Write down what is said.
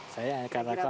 saya akan katakan